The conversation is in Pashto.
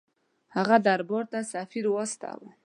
هغه دربار ته سفیر واستاوه.